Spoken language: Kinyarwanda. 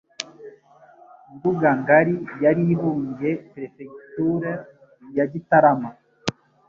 Nduga ngari yari ibumbye Perefegitura ya Gitarama